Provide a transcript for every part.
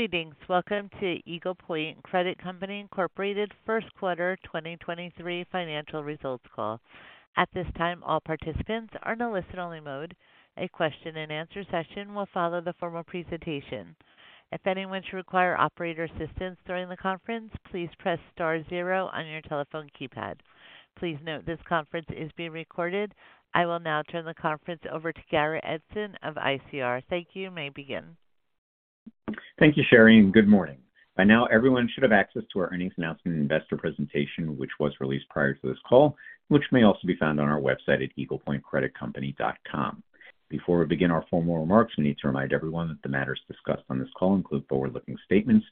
Greetings. Welcome to Eagle Point Credit Company Incorporated First Quarter 2023 Financial Results Call. At this time, all participants are in a listen-only mode. A question-and-answer session will follow the formal presentation. If anyone should require operator assistance during the conference, please press star zero on your telephone keypad. Please note this conference is being recorded. I will now turn the conference over to Garrett Edson of ICR. Thank you. You may begin. Thank you, Sherry. Good morning. By now, everyone should have access to our earnings announcement investor presentation, which was released prior to this call, which may also be found on our website at eaglepointcreditcompany.com. Before we begin our formal remarks, we need to remind everyone that the matters discussed on this call include forward-looking statements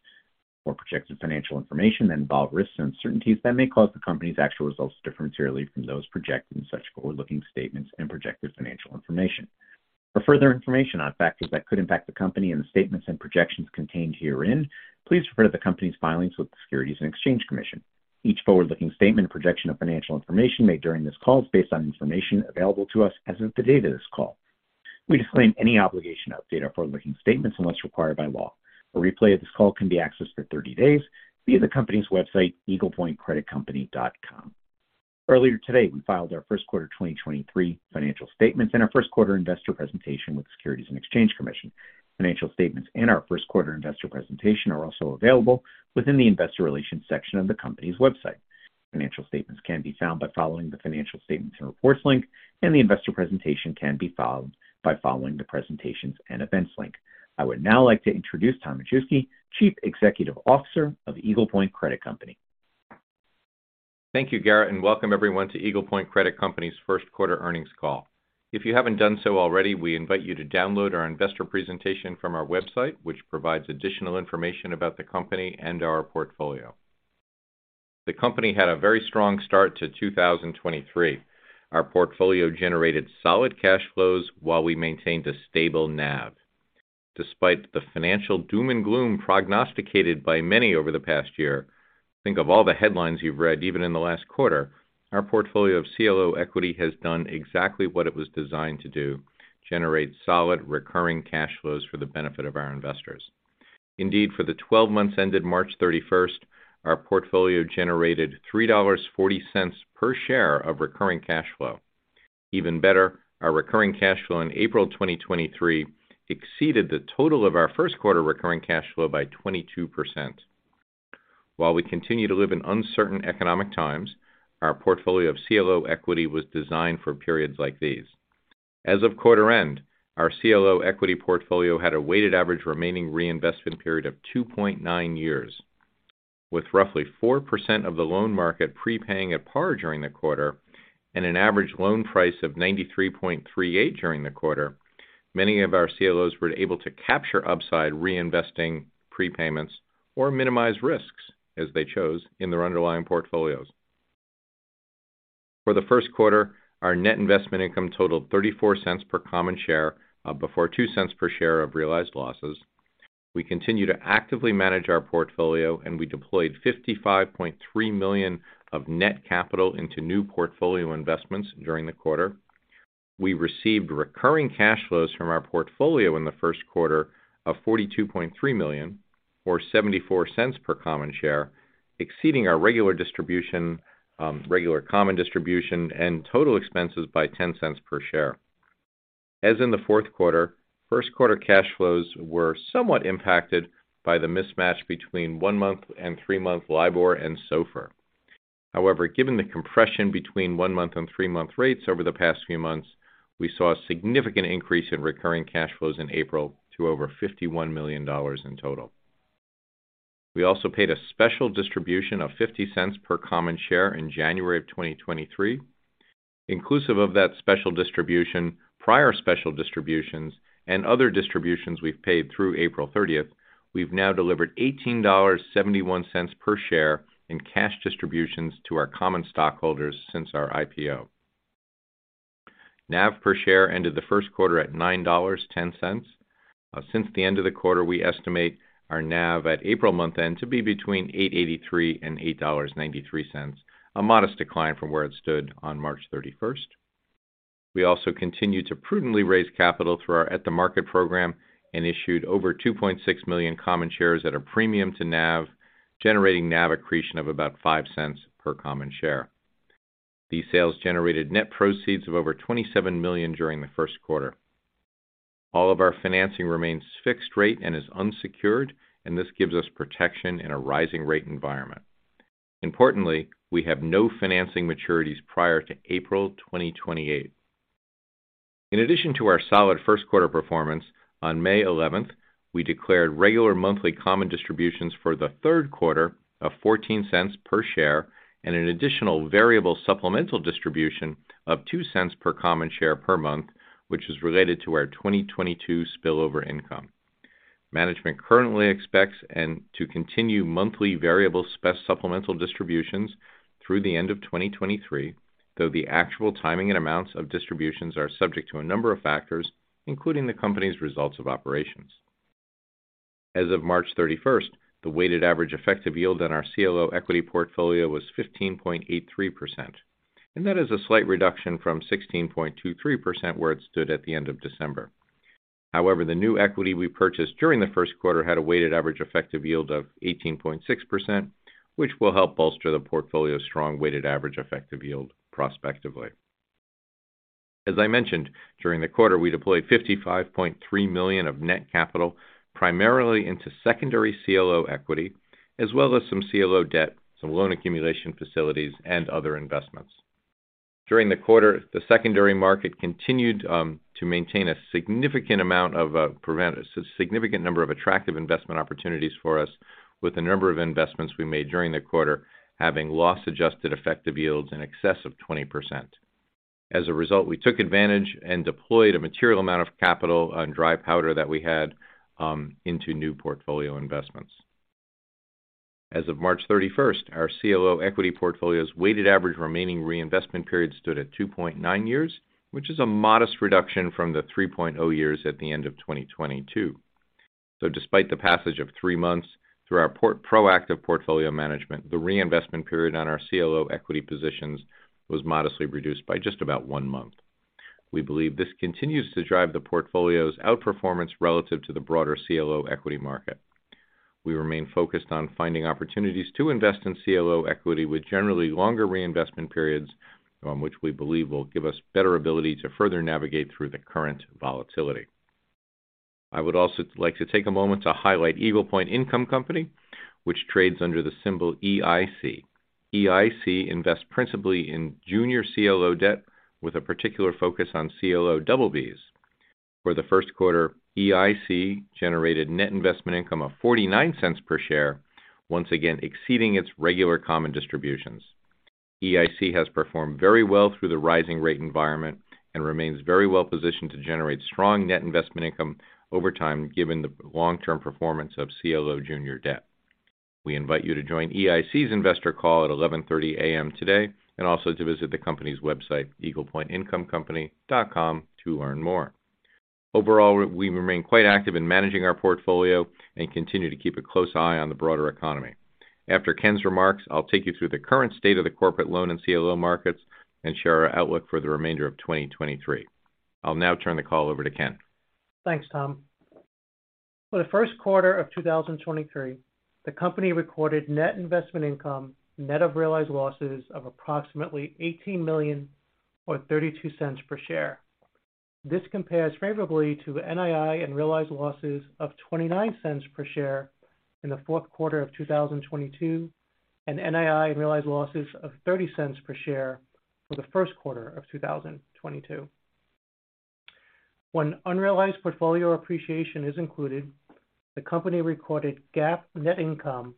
or projected financial information that involve risks and uncertainties that may cause the company's actual results to differ materially from those projected in such forward-looking statements and projected financial information. For further information on factors that could impact the company and the statements and projections contained herein, please refer to the company's filings with the Securities and Exchange Commission. Each forward-looking statement and projection of financial information made during this call is based on information available to us as of the date of this call. We disclaim any obligation to update our forward-looking statements unless required by law. A replay of this call can be accessed for 30 days via the company's website, eaglepointcreditcompany.com. Earlier today, we filed our first quarter 2023 financial statements and our first quarter investor presentation with the Securities and Exchange Commission. Financial statements and our first quarter investor presentation are also available within the Investor Relations section of the company's website. Financial statements can be found by following the Financial Statements and Reports link, the investor presentation can be filed by following the Presentations and Events link. I would now like to introduce Thomas Majewski, Chief Executive Officer of Eagle Point Credit Company. Thank you, Garrett, and welcome everyone to Eagle Point Credit Company's first quarter earnings call. If you haven't done so already, we invite you to download our investor presentation from our website, which provides additional information about the company and our portfolio. The company had a very strong start to 2023. Our portfolio generated solid cash flows while we maintained a stable NAV. Despite the financial doom and gloom prognosticated by many over the past year, think of all the headlines you've read even in the last quarter. Our portfolio of CLO equity has done exactly what it was designed to do: generate solid recurring cash flows for the benefit of our investors. Indeed, for the 12 months ended March 31st, our portfolio generated $3.40 per share of recurring cash flow. Even better, our recurring cash flow in April 2023 exceeded the total of our first quarter recurring cash flow by 22%. While we continue to live in uncertain economic times, our portfolio of CLO equity was designed for periods like these. As of quarter end, our CLO equity portfolio had a weighted average remaining reinvestment period of 2.9 years, with roughly 4% of the loan market prepaying at par during the quarter and an average loan price of 93.38 during the quarter. Many of our CLOs were able to capture upside reinvesting prepayments or minimize risks as they chose in their underlying portfolios. For the first quarter, our net investment income totaled $0.34 per common share, before $0.02 per share of realized losses. We continue to actively manage our portfolio. We deployed $55.3 million of net capital into new portfolio investments during the quarter. We received recurring cash flows from our portfolio in the first quarter of $42.3 million, or $0.74 per common share, exceeding our regular distribution, regular common distribution and total expenses by $0.10 per share. As in the fourth quarter, first quarter cash flows were somewhat impacted by the mismatch between one-month and three-month LIBOR and SOFR. However, given the compression between one-month and three-month rates over the past few months, we saw a significant increase in recurring cash flows in April to over $51 million in total. We also paid a special distribution of $0.50 per common share in January of 2023. Inclusive of that special distribution, prior special distributions and other distributions we've paid through April 30th, we've now delivered $18.71 per share in cash distributions to our common stockholders since our IPO. NAV per share ended the first quarter at $9.10. Since the end of the quarter, we estimate our NAV at April month-end to be between $8.83 and $8.93, a modest decline from where it stood on March 31st. We also continued to prudently raise capital through our at-the-market program and issued over 2.6 million common shares at a premium to NAV, generating NAV accretion of about $0.05 per common share. These sales generated net proceeds of over $27 million during the first quarter. All of our financing remains fixed rate and is unsecured, and this gives us protection in a rising rate environment. Importantly, we have no financing maturities prior to April 2028. In addition to our solid first quarter performance, on May 11th, we declared regular monthly common distributions for the third quarter of $0.14 per share and an additional variable supplemental distribution of $0.02 per common share per month, which is related to our 2022 spillover income. Management currently expects to continue monthly variable supplemental distributions through the end of 2023, though the actual timing and amounts of distributions are subject to a number of factors, including the company's results of operations. As of March 31st, the weighted average effective yield on our CLO equity portfolio was 15.83%. That is a slight reduction from 16.23% where it stood at the end of December. The new equity we purchased during the first quarter had a weighted average effective yield of 18.6%, which will help bolster the portfolio's strong weighted average effective yield prospectively. As I mentioned, during the quarter, we deployed $55.3 million of net capital, primarily into secondary CLO equity as well as some CLO debt, some loan accumulation facilities, and other investments. During the quarter, the secondary market continued to maintain a significant number of attractive investment opportunities for us with a number of investments we made during the quarter having loss-adjusted effective yields in excess of 20%. As a result, we took advantage and deployed a material amount of capital on dry powder that we had into new portfolio investments. As of March 31st, our CLO equity portfolio's weighted average remaining reinvestment period stood at 2.9 years, which is a modest reduction from the 3.0 years at the end of 2022. Despite the passage of three months, through our proactive portfolio management, the reinvestment period on our CLO equity positions was modestly reduced by just about one month. We believe this continues to drive the portfolio's outperformance relative to the broader CLO equity market. We remain focused on finding opportunities to invest in CLO equity with generally longer reinvestment periods, which we believe will give us better ability to further navigate through the current volatility. I would also like to take a moment to highlight Eagle Point Income Company, which trades under the symbol EIC. EIC invests principally in junior CLO debt with a particular focus on CLO BB. For the first quarter, EIC generated net investment income of $0.49 per share, once again exceeding its regular common distributions. EIC has performed very well through the rising rate environment and remains very well positioned to generate strong net investment income over time given the long-term performance of CLO junior debt. We invite you to join EIC's investor call at 11:30 A.M. today and also to visit the company's website, eaglepointincomecompany.com, to learn more. We remain quite active in managing our portfolio and continue to keep a close eye on the broader economy. After Ken's remarks, I'll take you through the current state of the corporate loan and CLO markets and share our outlook for the remainder of 2023. I'll now turn the call over to Ken. Thanks, Tom. For the first quarter of 2023, the company recorded net investment income net of realized losses of approximately $18 million or $0.32 per share. This compares favorably to NII and realized losses of $0.29 per share in the fourth quarter of 2022, and NII and realized losses of $0.30 per share for the first quarter of 2022. When unrealized portfolio appreciation is included, the company recorded GAAP net income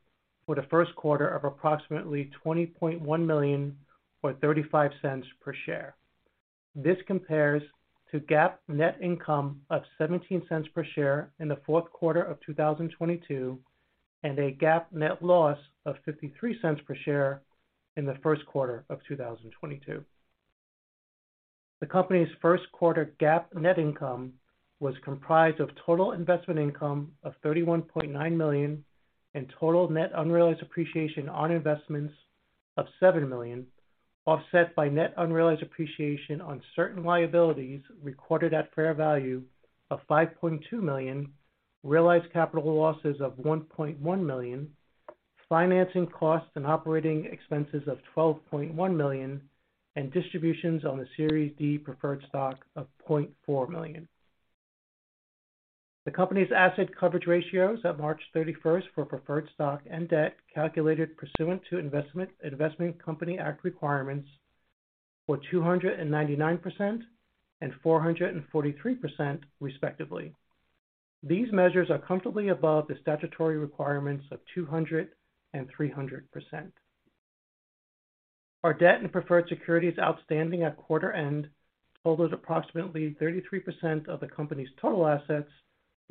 for the first quarter of approximately $20.1 million or $0.35 per share. This compares to GAAP net income of $0.17 per share in the fourth quarter of 2022, and a GAAP net loss of $0.53 per share in the first quarter of 2022. The company's first quarter GAAP net income was comprised of total investment income of $31.9 million and total net unrealized appreciation on investments of $7 million, offset by net unrealized appreciation on certain liabilities recorded at fair value of $5.2 million, realized capital losses of $1.1 million, financing costs and operating expenses of $12.1 million, and distributions on the Series D Preferred Stock of $0.4 million. The company's asset coverage ratios at March 31st for Preferred Stock and debt calculated pursuant to Investment Company Act requirements were 299% and 443% respectively. These measures are comfortably above the statutory requirements of 200% and 300%. Our debt and Preferred Securities outstanding at quarter end totals approximately 33% of the company's total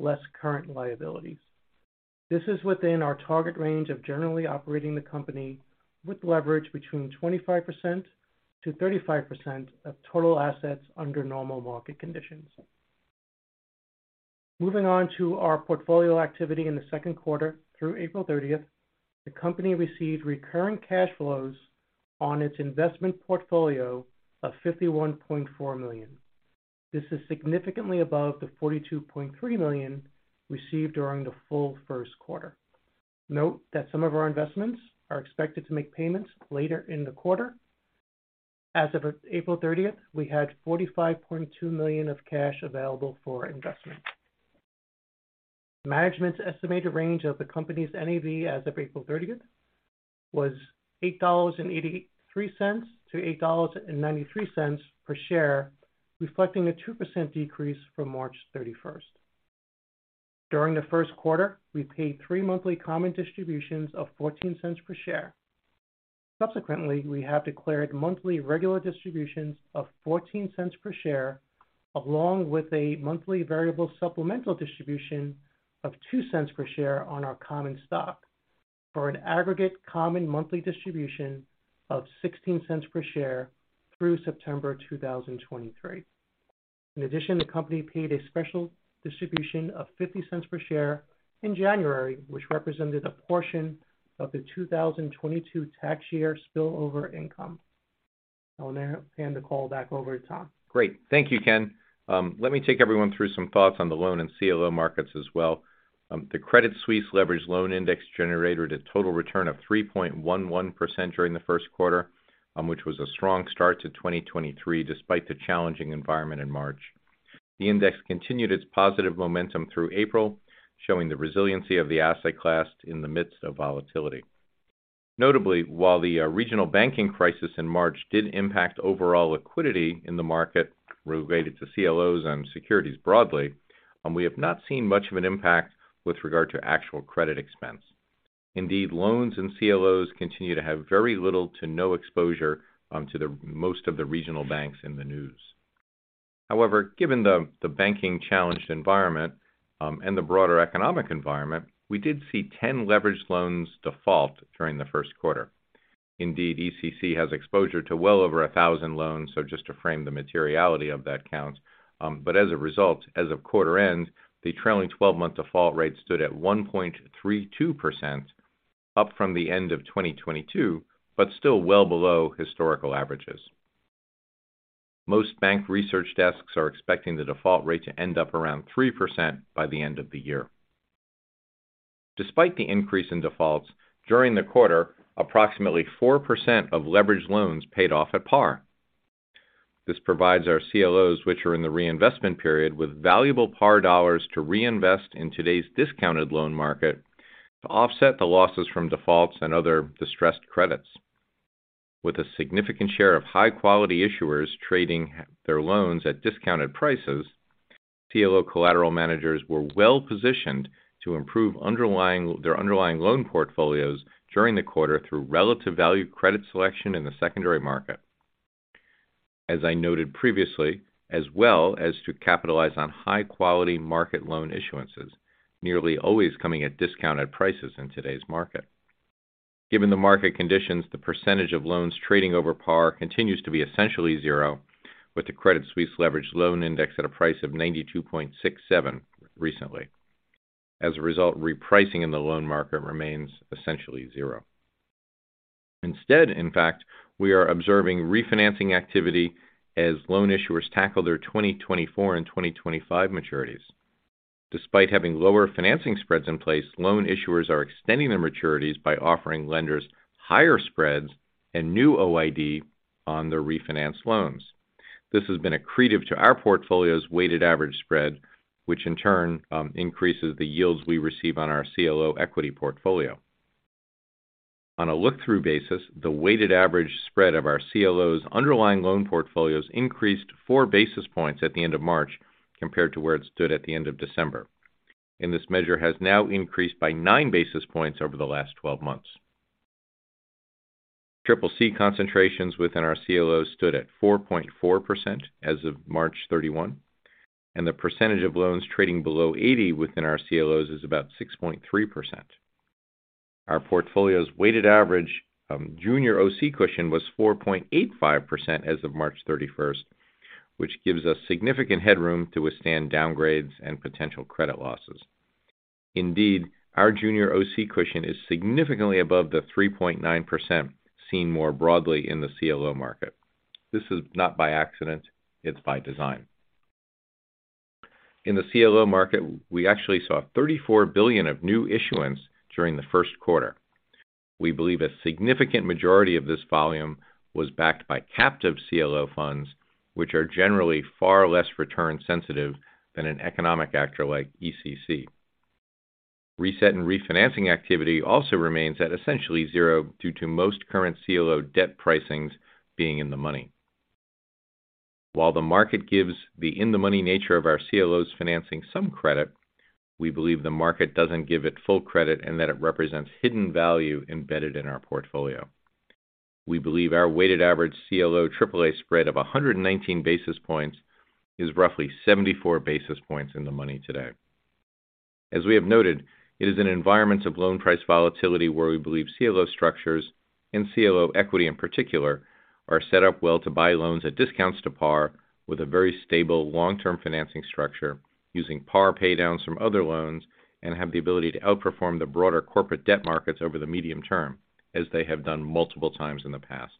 assets, less current liabilities. This is within our target range of generally operating the company with leverage between 25%-35% of total assets under normal market conditions. Moving on to our portfolio activity in the second quarter through April 30th. The company received recurring cash flows on its investment portfolio of $51.4 million. This is significantly above the $42.3 million received during the full first quarter. Note that some of our investments are expected to make payments later in the quarter. As of April 30th, we had $45.2 million of cash available for investment. Management's estimated range of the company's NAV as of April 30th was $8.83-$8.93 per share, reflecting a 2% decrease from March 31st. During the first quarter, we paid three monthly common distributions of $0.14 per share. Subsequently, we have declared monthly regular distributions of $0.14 per share, along with a monthly variable supplemental distribution of $0.02 per share on our common stock for an aggregate common monthly distribution of $0.16 per share through September 2023. In addition, the company paid a special distribution of $0.50 per share in January, which represented a portion of the 2022 tax year spill over income. I will now hand the call back over to Tom. Great. Thank you, Ken. Let me take everyone through some thoughts on the loan and CLO markets as well. The Credit Suisse Leveraged Loan Index generated a total return of 3.11% during the first quarter, which was a strong start to 2023, despite the challenging environment in March. The index continued its positive momentum through April, showing the resiliency of the asset class in the midst of volatility. Notably, while the regional banking crisis in March did impact overall liquidity in the market related to CLOs and securities broadly, we have not seen much of an impact with regard to actual credit expense. Indeed, loans and CLOs continue to have very little to no exposure to the most of the regional banks in the news. Given the banking challenged environment, and the broader economic environment, we did see 10 leveraged loans default during the first quarter. ECC has exposure to well over 1,000 loans, so just to frame the materiality of that count. As a result, as of quarter end, the trailing 12-month default rate stood at 1.32%, up from the end of 2022, but still well below historical averages. Most bank research desks are expecting the default rate to end up around 3% by the end of the year. Despite the increase in defaults, during the quarter, approximately 4% of leveraged loans paid off at par. This provides our CLOs, which are in the reinvestment period, with valuable par dollars to reinvest in today's discounted loan market to offset the losses from defaults and other distressed credits. With a significant share of high-quality issuers trading their loans at discounted prices, CLO collateral managers were well-positioned to improve their underlying loan portfolios during the quarter through relative value credit selection in the secondary market. As I noted previously, as well as to capitalize on high-quality market loan issuances, nearly always coming at discounted prices in today's market. Given the market conditions, the percentage of loans trading over par continues to be essentially zero, with the Credit Suisse Leveraged Loan Index at a price of 92.67 recently. As a result, repricing in the loan market remains essentially zero. Instead, in fact, we are observing refinancing activity as loan issuers tackle their 2024 and 2025 maturities. Despite having lower financing spreads in place, loan issuers are extending their maturities by offering lenders higher spreads and new OID on their refinance loans. This has been accretive to our portfolio's weighted average spread, which in turn, increases the yields we receive on our CLO equity portfolio. On a look-through basis, the weighted average spread of our CLO's underlying loan portfolios increased 4 basis points at the end of March compared to where it stood at the end of December. This measure has now increased by 9 basis points over the last twelve months. CCC concentrations within our CLOs stood at 4.4% as of March 31, and the percentage of loans trading below 80 within our CLOs is about 6.3%. Our portfolio's weighted average junior OC cushion was 4.85% as of March 31st, which gives us significant headroom to withstand downgrades and potential credit losses. Indeed, our junior OC cushion is significantly above the 3.9% seen more broadly in the CLO market. This is not by accident, it's by design. In the CLO market, we actually saw $34 billion of new issuance during the first quarter. We believe a significant majority of this volume was backed by captive CLO funds, which are generally far less return sensitive than an economic actor like ECC. Reset and refinancing activity also remains at essentially zero due to most current CLO debt pricings being in the money. While the market gives the in-the-money nature of our CLOs financing some credit, we believe the market doesn't give it full credit and that it represents hidden value embedded in our portfolio. We believe our weighted average CLO AAA spread of 119 basis points is roughly 74 basis points in the money today. As we have noted, it is an environment of loan price volatility where we believe CLO structures, and CLO equity in particular, are set up well to buy loans at discounts to par with a very stable long-term financing structure using par pay downs from other loans and have the ability to outperform the broader corporate debt markets over the medium term, as they have done multiple times in the past.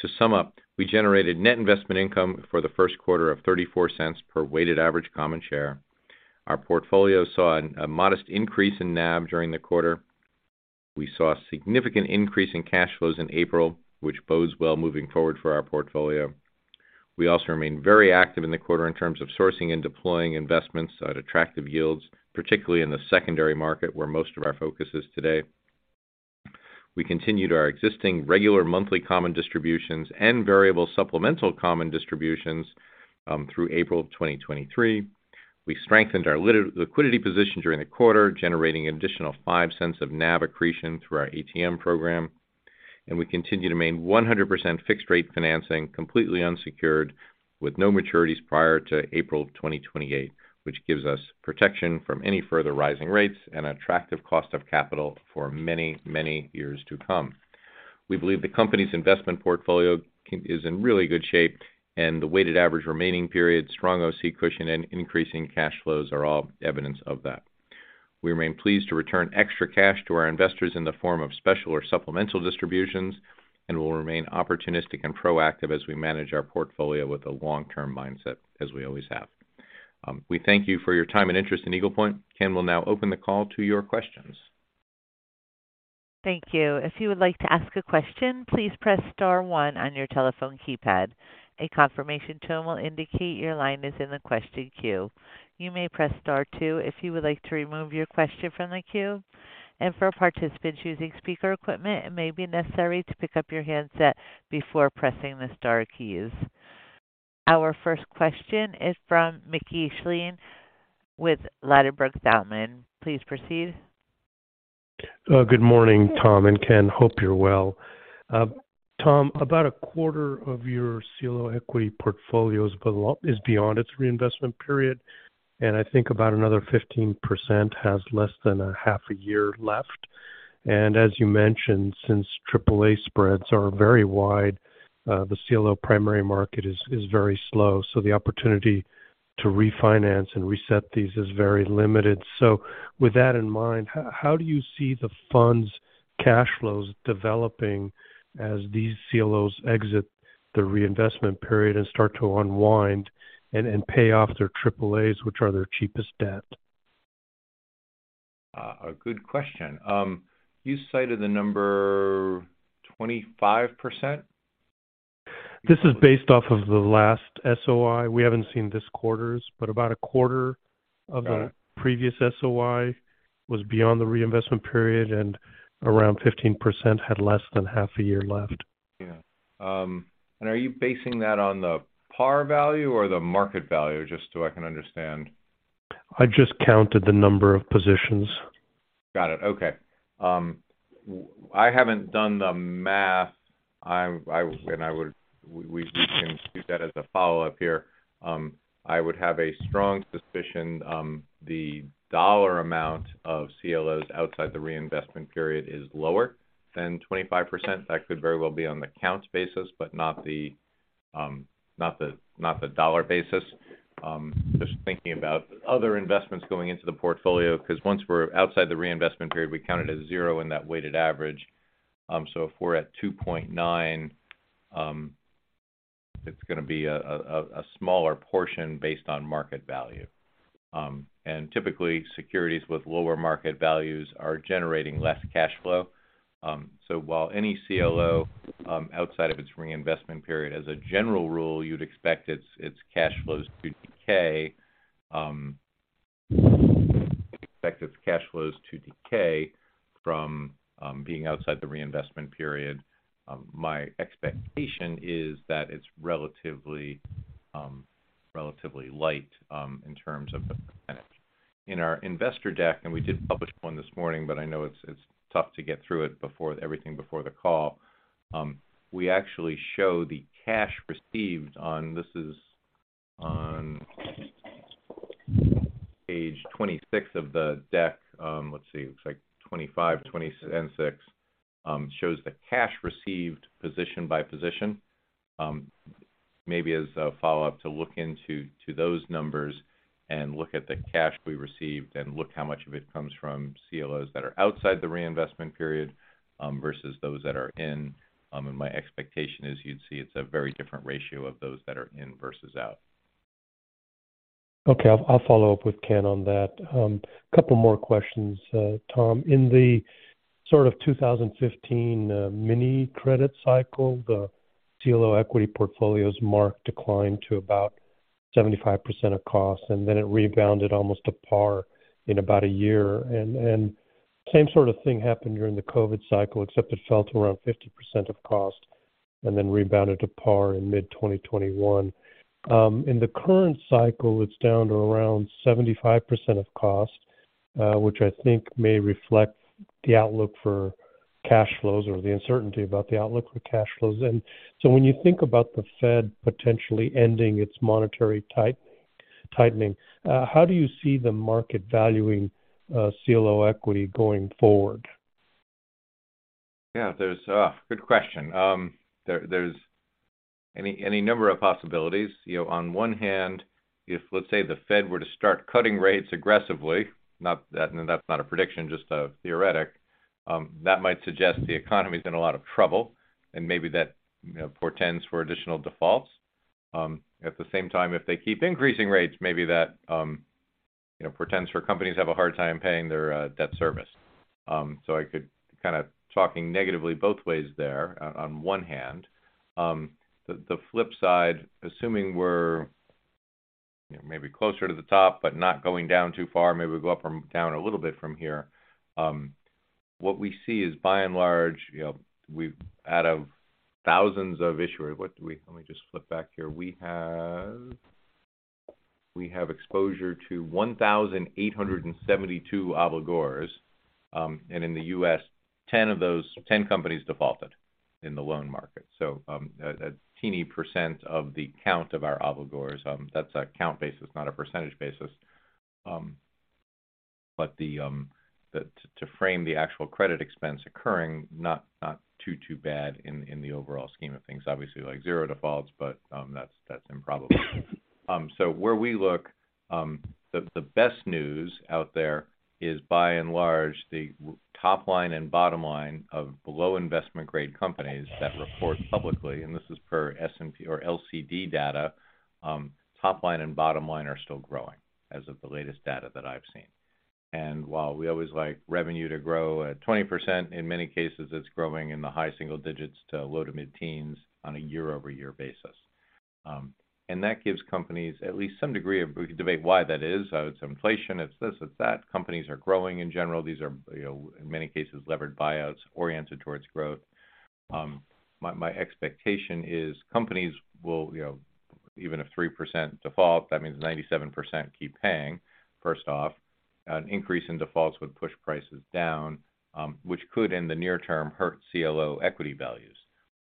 To sum up, we generated net investment income for the first quarter of $0.34 per weighted average common share. Our portfolio saw a modest increase in NAV during the quarter. We saw a significant increase in cash flows in April, which bodes well moving forward for our portfolio. We also remain very active in the quarter in terms of sourcing and deploying investments at attractive yields, particularly in the secondary market where most of our focus is today. We continued our existing regular monthly common distributions and variable supplemental common distributions through April of 2023. We strengthened our liquidity position during the quarter, generating an additional $0.05 of NAV accretion through our ATM program. We continue to maintain 100% fixed-rate financing, completely unsecured, with no maturities prior to April 2028, which gives us protection from any further rising rates and attractive cost of capital for many, many years to come. We believe the company's investment portfolio is in really good shape, and the weighted average remaining period, strong OC cushion and increasing cash flows are all evidence of that. We remain pleased to return extra cash to our investors in the form of special or supplemental distributions, and we'll remain opportunistic and proactive as we manage our portfolio with a long-term mindset as we always have. We thank you for your time and interest in Eagle Point. Ken will now open the call to your questions. Thank you. If you would like to ask a question, please press star one on your telephone keypad. A confirmation tone will indicate your line is in the question queue. You may press star two if you would like to remove your question from the queue. For participants using speaker equipment, it may be necessary to pick up your handset before pressing the star keys. Our first question is from Mickey Schleien with Ladenburg Thalmann. Please proceed. Good morning, Tom and Ken. Hope you're well. Tom, about a quarter of your CLO equity portfolio is beyond its reinvestment period, I think about another 15% has less than a half a year left. As you mentioned, since Triple A spreads are very wide, the CLO primary market is very slow, the opportunity to refinance and reset these is very limited. With that in mind, how do you see the fund's cash flows developing as these CLOs exit the reinvestment period and start to unwind and pay off their Triple As, which are their cheapest debt? A good question. You cited the number 25%? This is based off of the last SOI. We haven't seen this quarter's, but about a quarter of. Got it. Previous SOI was beyond the reinvestment period, and around 15% had less than half a year left. Yeah. Are you basing that on the par value or the market value? Just so I can understand. I just counted the number of positions. Got it. Okay. I haven't done the math. We can do that as a follow-up here. I would have a strong suspicion, the dollar amount of CLOs outside the reinvestment period is lower than 25%. That could very well be on the count basis, but not the dollar basis. Just thinking about other investments going into the portfolio, because once we're outside the reinvestment period, we count it as zero in that weighted average. If we're at 2.9, it's gonna be a smaller portion based on market value. Typically securities with lower market values are generating less cash flow. While any CLO, outside of its reinvestment period, as a general rule, you'd expect its cash flows to decay, expect its cash flows to decay from, being outside the reinvestment period. My expectation is that it's relatively light, in terms of the percentage. In our investor deck, and we did publish one this morning, I know it's tough to get through it before everything before the call. We actually show the cash received on, this is on Page 26 of the deck. Let's see, it looks like 25, 26, shows the cash received position by position. Maybe as a follow-up to look into those numbers and look at the cash we received and look how much of it comes from CLOs that are outside the reinvestment period versus those that are in. My expectation is you'd see it's a very different ratio of those that are in versus out. Okay. I'll follow up with Ken on that. Couple more questions, Tom. In the sort of 2015 mini credit cycle, the CLO equity portfolio's mark declined to about 75% of cost, and then it rebounded almost to par in about a year. Same sort of thing happened during the COVID cycle, except it fell to around 50% of cost and then rebounded to par in mid-2021. In the current cycle, it's down to around 75% of cost, which I think may reflect the outlook for cash flows or the uncertainty about the outlook for cash flows. When you think about the Fed potentially ending its monetary tightening, how do you see the market valuing CLO equity going forward? Yeah. There's good question. There's any number of possibilities. You know, on one hand, if, let's say, the Fed were to start cutting rates aggressively, that's not a prediction, just a theoretic, that might suggest the economy's in a lot of trouble, and maybe that, you know, portends for additional defaults. At the same time, if they keep increasing rates, maybe that, you know, portends for companies to have a hard time paying their debt service. Kinda talking negatively both ways there on one hand. The flip side, assuming we're, you know, maybe closer to the top, but not going down too far, maybe we go down a little bit from here. What we see is by and large, you know, we've out of thousands of issuers. What do we Let me just flip back here. We have exposure to 1,872 obligors. In the U.S., 10 of those 10 companies defaulted in the loan market. A teeny% of the count of our obligors, that's a count basis, not a percentage basis. The to frame the actual credit expense occurring, not too bad in the overall scheme of things. Obviously we like zero defaults, but that's improbable. Where we look, the best news out there is by and large the top line and bottom line of below investment grade companies that report publicly, and this is per S&P or LCD data, top line and bottom line are still growing as of the latest data that I've seen. While we always like revenue to grow at 20%, in many cases, it's growing in the high single digits to low-to-mid teens on a year-over-year basis. That gives companies at least some degree of... We can debate why that is. It's inflation, it's this, it's that. Companies are growing in general. These are, you know, in many cases, levered buyouts oriented towards growth. My expectation is companies will, you know, even if 3% default, that means 97% keep paying, first off. An increase in defaults would push prices down, which could, in the near term, hurt CLO equity values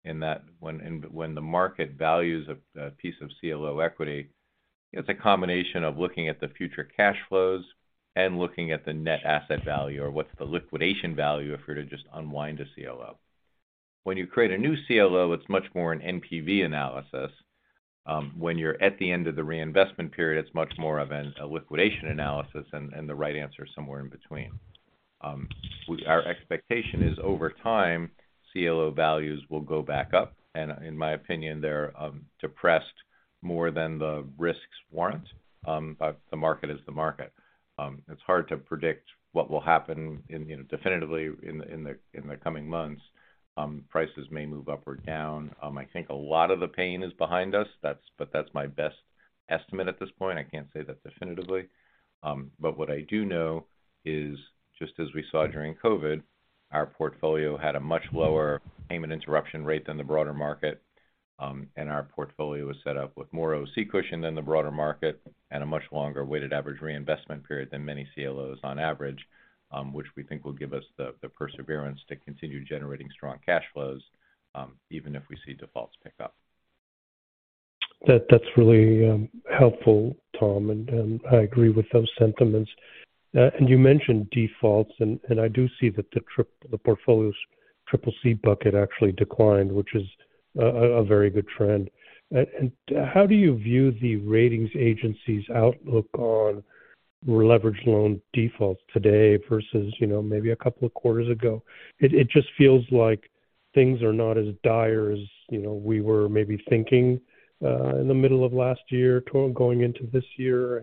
in that when... When the market values a piece of CLO equity, it's a combination of looking at the future cash flows and looking at the NAV or what's the liquidation value if we're to just unwind a CLO. When you create a new CLO, it's much more an NPV analysis. When you're at the end of the reinvestment period, it's much more of a liquidation analysis, and the right answer is somewhere in between. Our expectation is over time, CLO values will go back up, and in my opinion, they're depressed more than the risks warrant. The market is the market. It's hard to predict what will happen in, you know, definitively in the coming months. Prices may move up or down. I think a lot of the pain is behind us. But that's my best estimate at this point. I can't say that definitively. What I do know is, just as we saw during COVID, our portfolio had a much lower payment interruption rate than the broader market, and our portfolio was set up with more OC cushion than the broader market and a much longer weighted average reinvestment period than many CLOs on average, which we think will give us the perseverance to continue generating strong cash flows, even if we see defaults pick up. That's really helpful, Tom, and I agree with those sentiments. You mentioned defaults, and I do see that the portfolio's CCC bucket actually declined, which is a very good trend. How do you view the ratings agencies' outlook on leveraged loan defaults today versus, you know, maybe a couple of quarters ago? It just feels like things are not as dire as, you know, we were maybe thinking in the middle of last year going into this year.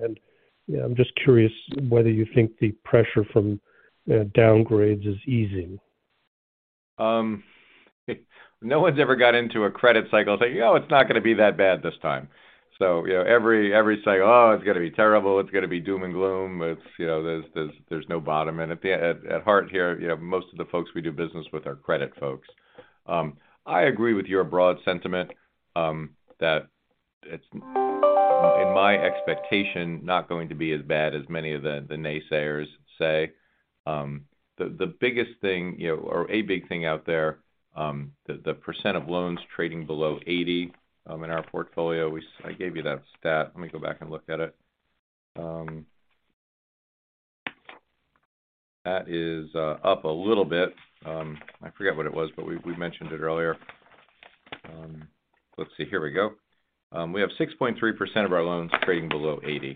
You know, I'm just curious whether you think the pressure from downgrades is easing. No one's ever got into a credit cycle saying, "Oh, it's not going to be that bad this time." You know, every cycle, "Oh, it's going to be terrible. It's going to be doom and gloom. It's, you know, there's no bottom." At heart here, you know, most of the folks we do business with are credit folks. I agree with your broad sentiment that it's, in my expectation, not going to be as bad as many of the naysayers say. The biggest thing, you know, or a big thing out there, the % of loans trading below 80, in our portfolio, we I gave you that stat. Let me go back and look at it. That is up a little bit. I forget what it was, but we mentioned it earlier. Let's see. Here we go. We have 6.3% of our loans trading below 80. you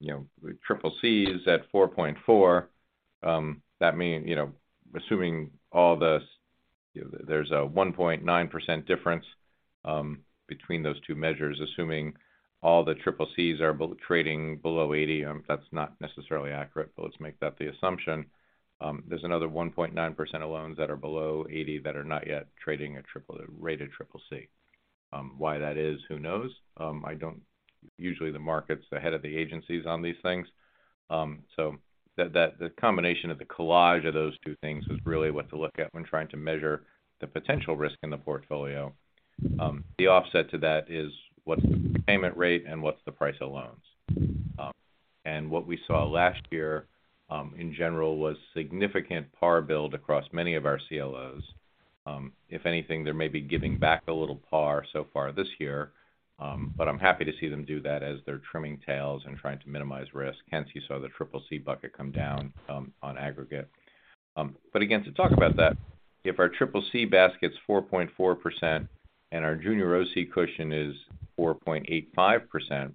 know, CCC is at 4.4%. that mean, you know, assuming all the there's a 1.9% difference, between those two measures, assuming all the CCCs are trading below 80, that's not necessarily accurate, but let's make that the assumption. There's another 1.9% of loans that are below 80 that are not yet trading at triple rated CCC. Why that is, who knows? I don't. Usually, the market's ahead of the agencies on these things. The, that, the combination of the collage of those two things is really what to look at when trying to measure the potential risk in the portfolio. The offset to that is, what's the payment rate and what's the price of loans? What we saw last year, in general, was significant par build across many of our CLOs. If anything, they may be giving back a little par so far this year, but I'm happy to see them do that as they're trimming tails and trying to minimize risk. Hence, you saw the CCC bucket come down, on aggregate. Again, to talk about that, if our CCC basket is 4.4% and our junior OC cushion is 4.85%,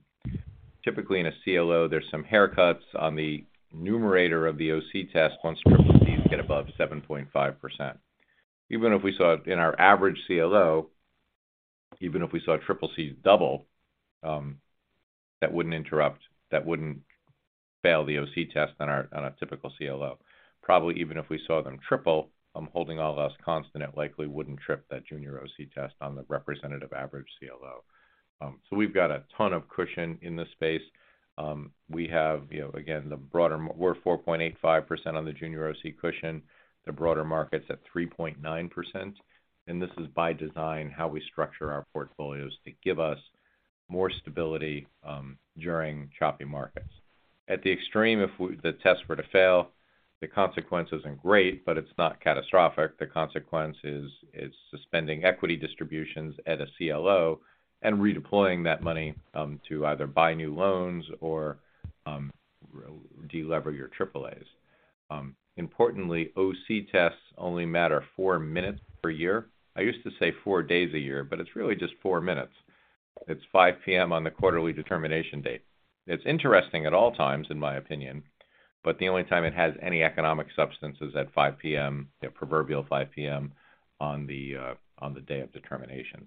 typically in a CLO, there's some haircuts on the numerator of the OC test once CCCs get above 7.5%. Even if we saw in our average CLO, even if we saw CCC double, that wouldn't interrupt, that wouldn't fail the OC test on our, on a typical CLO. Probably even if we saw them triple, holding all else constant, it likely wouldn't trip that junior OC test on the representative average CLO. We've got a ton of cushion in this space. We have, you know, again, we're 4.85% on the junior OC cushion. The broader market's at 3.9%. This is by design how we structure our portfolios to give us more stability during choppy markets. At the extreme, if the tests were to fail. The consequence isn't great, but it's not catastrophic. The consequence is suspending equity distributions at a CLO and redeploying that money to either buy new loans or de-lever your AAAs. Importantly, OC tests only matter four minutes per year. I used to say four days a year, but it's really just four minutes. It's 5:00 P.M. on the quarterly determination date. It's interesting at all times, in my opinion, but the only time it has any economic substance is at 5:00 P.M., the proverbial 5:00 P.M., on the day of determination.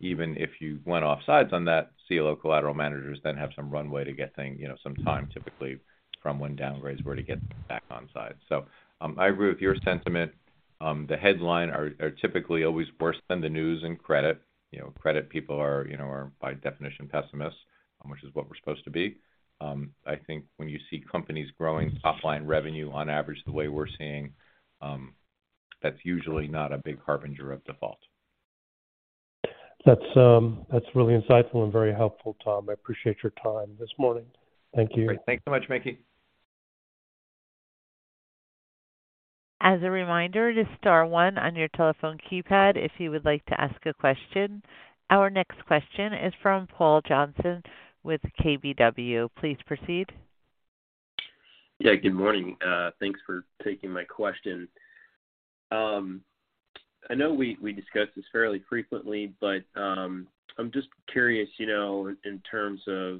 Even if you went offsides on that CLO collateral managers then have some runway to get things, you know, some time typically from when downgrades were to get back on side. I agree with your sentiment. The headline are typically always worse than the news and credit. You know, credit people are, you know, are by definition pessimists, which is what we're supposed to be. I think when you see companies growing top line revenue on average the way we're seeing, that's usually not a big harbinger of default. That's, that's really insightful and very helpful, Tom. I appreciate your time this morning. Thank you. Great. Thanks so much, Mickey. As a reminder to star one on your telephone keypad if you would like to ask a question. Our next question is from Paul Johnson with KBW. Please proceed. Yeah, good morning. Thanks for taking my question. I know we discussed this fairly frequently, but, I'm just curious, you know, in terms of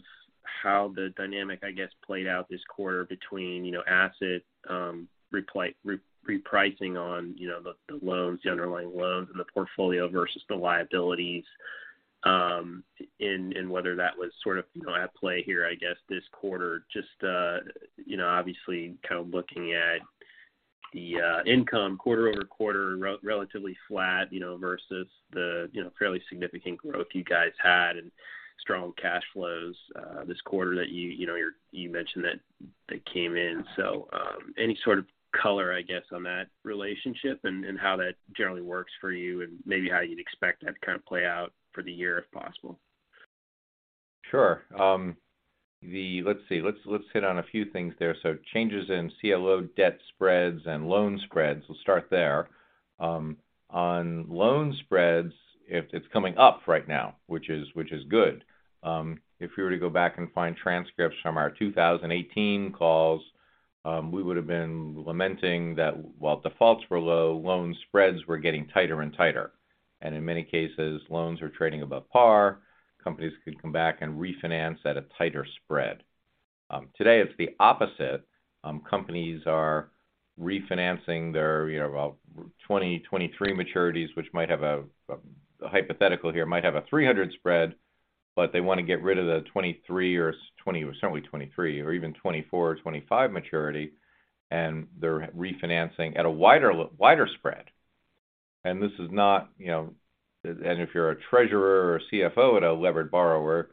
how the dynamic, I guess, played out this quarter between, you know, asset repricing on, you know, the loans, the underlying loans in the portfolio versus the liabilities, and whether that was sort of, you know, at play here, I guess this quarter? Just, you know, obviously kind of looking at the income quarter-over-quarter relatively flat, you know, versus the, you know, fairly significant growth you guys had and strong cash flows, this quarter that you know, you mentioned that came in. Any sort of color, I guess, on that relationship and how that generally works for you and maybe how you'd expect that to kind of play out for the year, if possible. Let's see. Let's hit on a few things there. Changes in CLO debt spreads and loan spreads. We'll start there. On loan spreads it's coming up right now, which is good. If we were to go back and find transcripts from our 2018 calls, we would've been lamenting that while defaults were low, loan spreads were getting tighter and tighter. In many cases, loans are trading above par. Companies could come back and refinance at a tighter spread. Today it's the opposite. Companies are refinancing their, you know, 2023 maturities, which might have a hypothetical here, might have a 300 spread, but they wanna get rid of the 2023 or certainly 2023 or even 2024 or 2025 maturity, and they're refinancing at a wider spread. This is not, you know... If you're a treasurer or CFO at a levered borrower,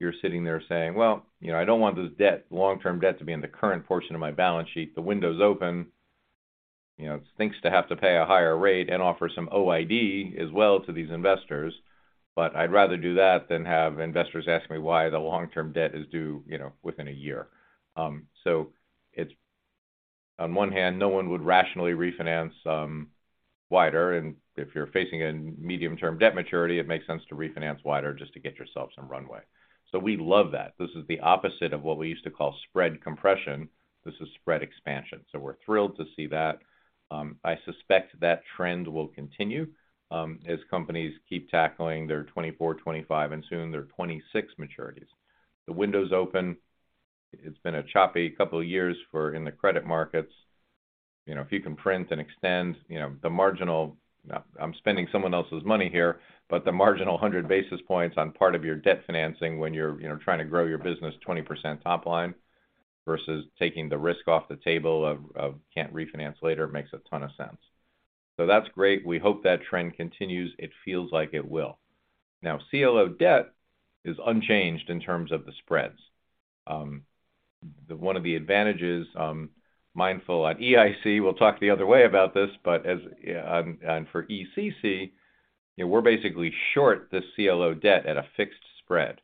you're sitting there saying, "Well, you know, I don't want this debt, long-term debt to be in the current portion of my balance sheet. The window's open. You know, stinks to have to pay a higher rate and offer some OID as well to these investors, but I'd rather do that than have investors ask me why the long-term debt is due, you know, within a year." It's on one hand, no one would rationally refinance wider. If you're facing a medium term debt maturity, it makes sense to refinance wider just to get yourself some runway. We love that. This is the opposite of what we used to call spread compression. This is spread expansion. We're thrilled to see that. I suspect that trend will continue as companies keep tackling their 2024, 2025, and soon their 2026 maturities. The window's open. It's been a choppy couple of years for in the credit markets. You know, if you can print and extend, you know, I'm spending someone else's money here, but the marginal 100 basis points on part of your debt financing when you're, you know, trying to grow your business 20% top line versus taking the risk off the table of can't refinance later makes a ton of sense. That's great. We hope that trend continues. It feels like it will. CLO debt is unchanged in terms of the spreads. One of the advantages, mindful at EIC, we'll talk the other way about this, but as for ECC, you know, we're basically short the CLO debt at a fixed spread.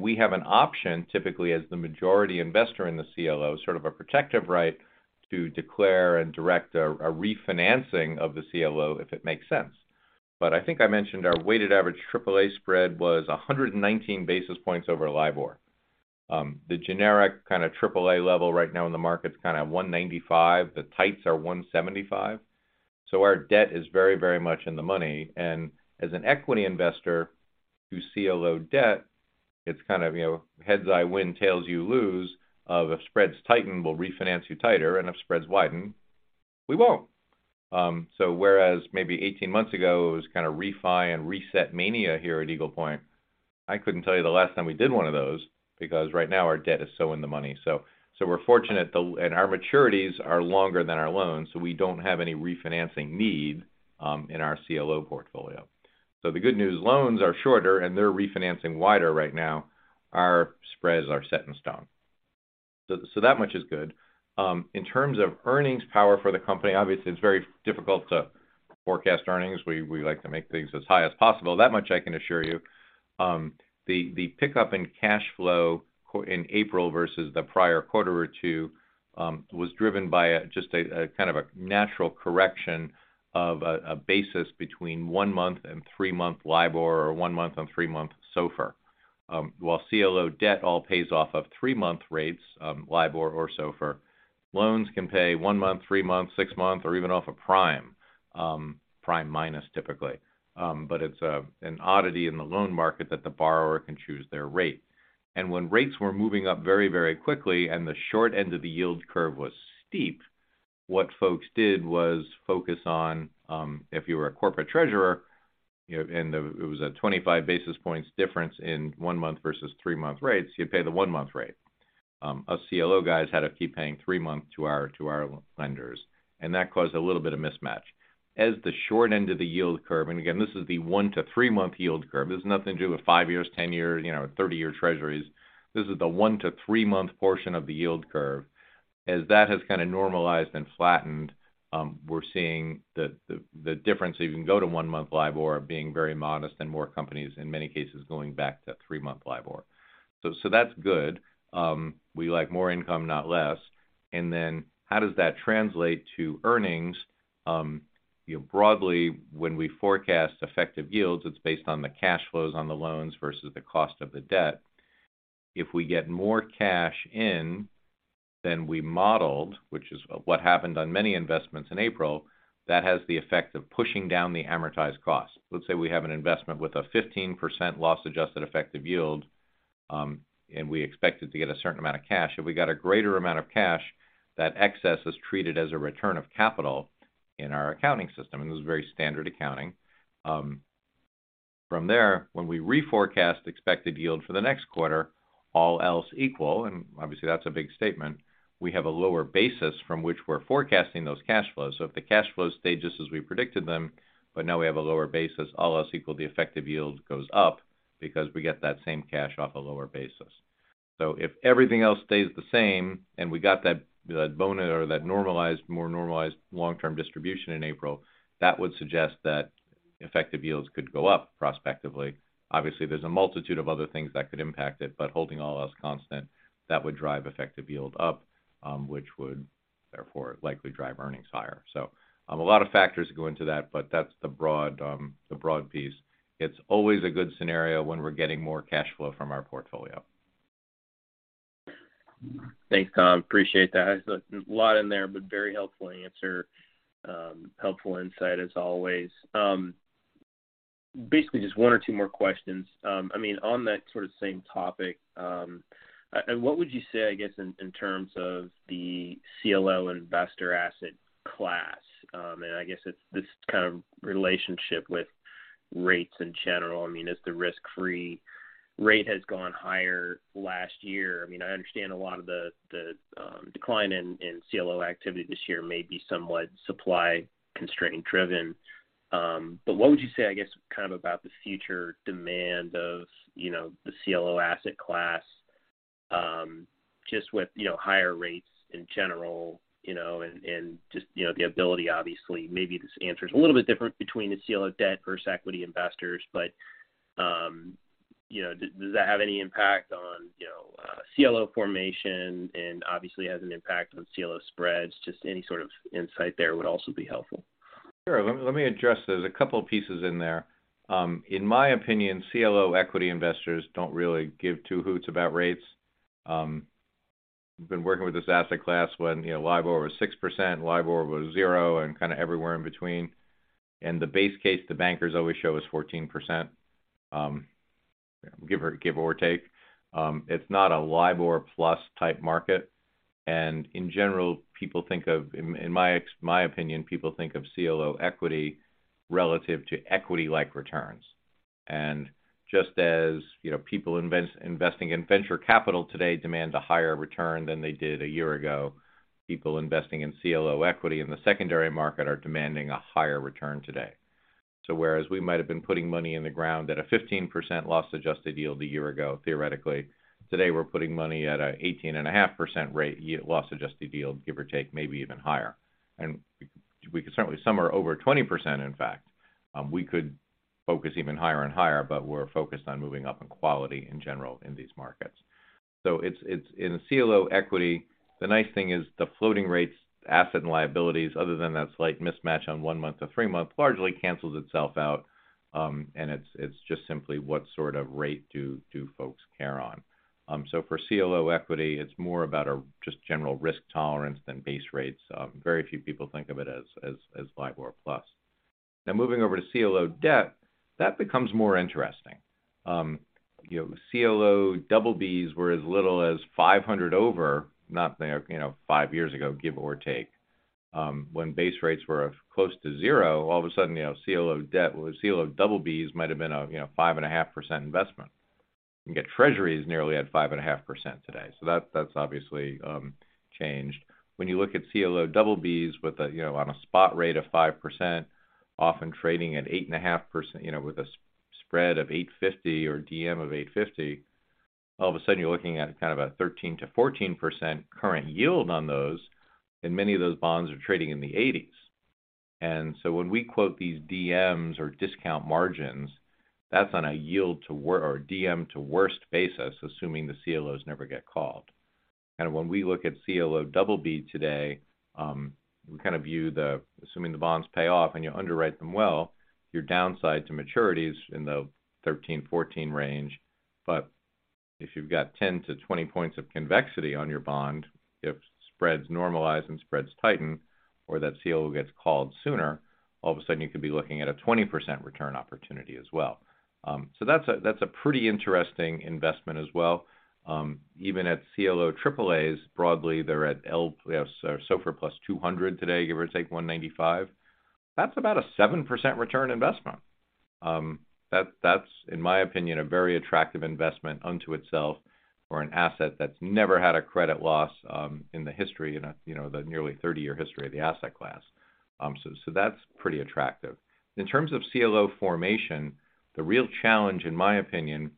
We have an option typically as the majority investor in the CLO, sort of a protective right to declare and direct a refinancing of the CLO if it makes sense. I think I mentioned our weighted average AAA spread was 119 basis points over LIBOR. The generic kind of AAA level right now in the market's kinda 195. The tights are 175. Our debt is very much in the money. As an equity investor to CLO debt, it's kind of, you know, heads I win, tails you lose. If spreads tighten, we'll refinance you tighter, and if spreads widen, we won't. Whereas maybe 18 months ago it was kinda refi and reset mania here at Eagle Point, I couldn't tell you the last time we did one of those because right now our debt is so in the money. We're fortunate and our maturities are longer than our loans, so we don't have any refinancing need in our CLO portfolio. The good news, loans are shorter, and they're refinancing wider right now. Our spreads are set in stone. That much is good. In terms of earnings power for the company, obviously it's very difficult to forecast earnings. We like to make things as high as possible. That much I can assure you. The pickup in cash flow in April versus the prior quarter or two was driven by just a kind of a natural correction of a basis between one-month and three-month LIBOR or one-month and three-month SOFR. While CLO debt all pays off of three-month rates, LIBOR or SOFR, loans can pay one-month, three-month, six-month, or even off of prime minus typically. It's an oddity in the loan market that the borrower can choose their rate. When rates were moving up very, very quickly and the short end of the yield curve was steep, what folks did was focus on, if you were a corporate treasurer, you know, it was a 25 basis points difference in one-month versus three-month rates, you'd pay the one-month rate. Us CLO guys had to keep paying three-month to our lenders. That caused a little bit of mismatch. As the short end of the yield curve, and again, this is the one-to-three-month yield curve. This has nothing to do with five years, 10 years, you know, or 30-year Treasuries. This is the one-to-three-month portion of the yield curve. As that has kind of normalized and flattened, we're seeing the difference, if you can go to one-month LIBOR, being very modest and more companies, in many cases, going back to three-month LIBOR. That's good. We like more income, not less. How does that translate to earnings? You know, broadly, when we forecast effective yields, it's based on the cash flows on the loans versus the cost of the debt. If we get more cash in than we modeled, which is what happened on many investments in April, that has the effect of pushing down the amortized cost. Let's say we have an investment with a 15% loss adjusted effective yield, and we expected to get a certain amount of cash. If we got a greater amount of cash, that excess is treated as a return of capital in our accounting system, and this is very standard accounting. From there, when we reforecast expected yield for the next quarter, all else equal, and obviously that's a big statement, we have a lower basis from which we're forecasting those cash flows. If the cash flows stay just as we predicted them, but now we have a lower basis, all else equal, the effective yield goes up because we get that same cash off a lower basis. If everything else stays the same and we got that bonus or that normalized, more normalized long-term distribution in April, that would suggest that effective yields could go up prospectively. Obviously, there's a multitude of other things that could impact it, but holding all else constant, that would drive effective yield up, which would therefore likely drive earnings higher. A lot of factors go into that, but that's the broad piece. It's always a good scenario when we're getting more cash flow from our portfolio. Thanks, Tom. Appreciate that. A lot in there. Very helpful answer. Helpful insight as always. Basically just one or two more questions. I mean, on that sort of same topic, what would you say, I guess, in terms of the CLO investor asset class? I guess it's this kind of relationship with rates in general. I mean, as the risk-free rate has gone higher last year. I mean, I understand a lot of the decline in CLO activity this year may be somewhat supply constraint-driven. What would you say, I guess, kind of about the future demand of, you know, the CLO asset class, just with, you know, higher rates in general, you know, and just, you know, the ability obviously, maybe this answer is a little bit different between the CLO debt versus equity investors. You know, does that have any impact on, you know, CLO formation and obviously has an impact on CLO spreads? Just any sort of insight there would also be helpful. Sure. Let me address those. A couple pieces in there. In my opinion, CLO equity investors don't really give two hoots about rates. We've been working with this asset class when, you know, LIBOR was 6%, LIBOR was zero, and kind of everywhere in between. The base case the bankers always show is 14%, give or take. It's not a LIBOR plus type market. In general, in my opinion, people think of CLO equity relative to equity-like returns. Just as, you know, people investing in venture capital today demand a higher return than they did a year ago, people investing in CLO equity in the secondary market are demanding a higher return today. Whereas we might have been putting money in the ground at a 15% loss-adjusted yield a year ago, theoretically, today we're putting money at an 18.5% rate loss adjusted yield, give or take, maybe even higher. We could certainly. Some are over 20%, in fact. We could focus even higher and higher, but we're focused on moving up in quality in general in these markets. It's, it's in CLO equity, the nice thing is the floating rates asset and liabilities, other than that slight mismatch on one-month to three-month, largely cancels itself out. And it's just simply what sort of rate do folks care on. For CLO equity, it's more about a just general risk tolerance than base rates. Very few people think of it as LIBOR plus. Moving over to CLO debt, that becomes more interesting. You know, CLO BBs were as little as 500 over, not, you know, 5 years ago, give or take, when base rates were close to zero. All of a sudden, you know, CLO debt or CLO BBs might have been a, you know, 5.5% investment. You can get Treasuries nearly at 5.5% today. That, that's obviously changed. When you look at CLO BBs with a, you know, on a spot rate of 5%, often trading at 8.5%, you know, with a spread of 850 or DM of 850. All of a sudden, you're looking at kind of a 13%-14% current yield on those, and many of those bonds are trading in the 80s. When we quote these DMs or discount margins, that's on a yield to worst or DM to worst basis, assuming the CLOs never get called. Kinda when we look at CLO BB today, we kind of view assuming the bonds pay off and you underwrite them well, your downside to maturities in the 13-14 range. But if you've got 10-20 points of convexity on your bond, if spreads normalize and spreads tighten or that CLO gets called sooner, all of a sudden you could be looking at a 20% return opportunity as well. So that's a, that's a pretty interesting investment as well. Even at CLO AAAs, broadly, they're at SOFR plus 200 today, give or take 195. That's about a 7% return investment. That's, in my opinion, a very attractive investment unto itself for an asset that's never had a credit loss in the history, you know, the nearly 30-year history of the asset class. That's pretty attractive. In terms of CLO formation, the real challenge, in my opinion,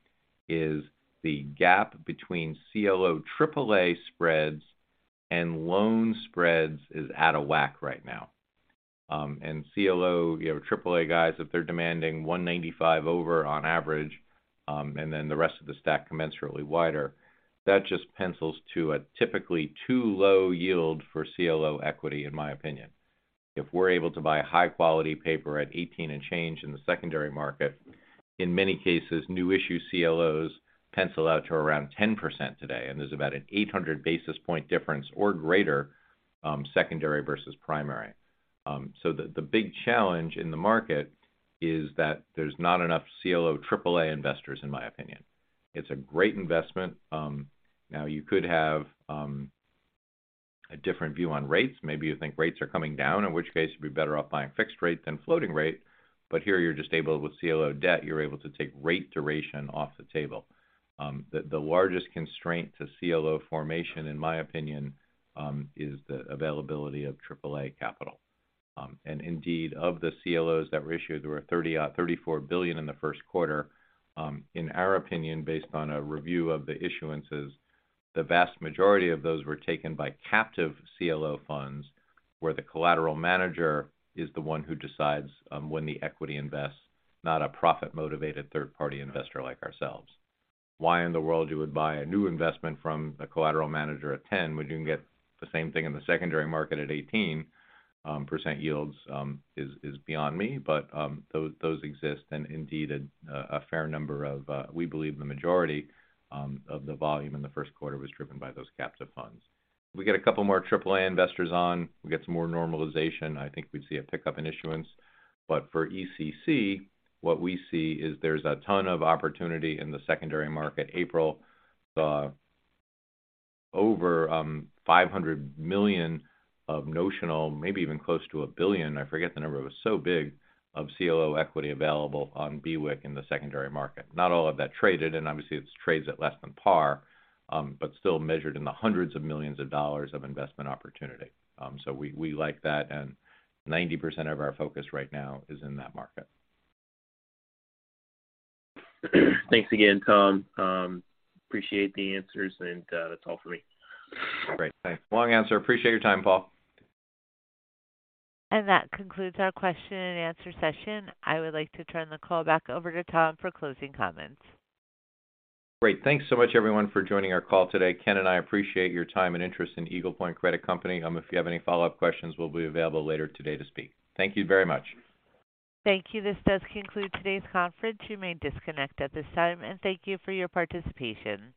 is the gap between CLO AAA spreads and loan spreads is out of whack right now. CLO, you have AAA guys, if they're demanding 195 over on average, and then the rest of the stack commensurately wider, that just pencils to a typically too low yield for CLO equity, in my opinion. If we're able to buy high-quality paper at 18 and change in the secondary market, in many cases, new issue CLOs pencil out to around 10% today. There's about an 800 basis point difference or greater, secondary versus primary. The big challenge in the market is that there's not enough CLO AAA investors, in my opinion. It's a great investment. Now you could have a different view on rates. Maybe you think rates are coming down, in which case you'd be better off buying fixed rate than floating rate. Here you're just able, with CLO debt, you're able to take rate duration off the table. The largest constraint to CLO formation, in my opinion, is the availability of AAA capital. Indeed, of the CLOs that were issued, there were $34 billion in the first quarter. In our opinion, based on a review of the issuances, the vast majority of those were taken by captive CLO funds, where the collateral manager is the one who decides when the equity invests, not a profit-motivated third-party investor like ourselves. Why in the world you would buy a new investment from a collateral manager at 10 when you can get the same thing in the secondary market at 18% yields is beyond me. Those exist. Indeed, a fair number of, we believe the majority of the volume in the first quarter was driven by those captive funds. We get a couple more AAA investors on, we get some more normalization, I think we'd see a pickup in issuance. For ECC, what we see is there's a ton of opportunity in the secondary market. April saw over $500 million of notional, maybe even close to $1 billion, I forget the number, it was so big, of CLO equity available on BWIC in the secondary market. Not all of that traded, and obviously, it trades at less than par, but still measured in the hundreds of millions of dollars of investment opportunity. We, we like that, and 90% of our focus right now is in that market. Thanks again, Tom. appreciate the answers, and, that's all for me. Great. Thanks. Long answer. Appreciate your time, Paul. That concludes our question and answer session. I would like to turn the call back over to Tom for closing comments. Great. Thanks so much, everyone, for joining our call today. Ken and I appreciate your time and interest in Eagle Point Credit Company. If you have any follow-up questions, we'll be available later today to speak. Thank you very much. Thank you. This does conclude today's conference. You may disconnect at this time. Thank you for your participation.